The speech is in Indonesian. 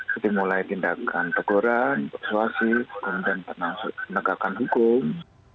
jadi mulai tindakan teguran persuasi kemudian penegakan hukum